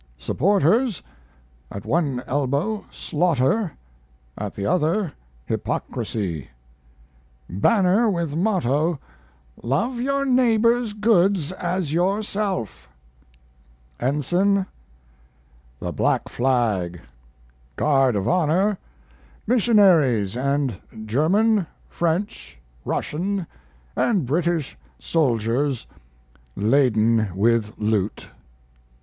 Supporters At one elbow Slaughter, at the other Hypocrisy. Banner with motto "Love Your Neighbor's Goods as Yourself." Ensign The Black Flag. Guard of Honor Missionaries and German, French, Russian, and British soldiers laden with loot.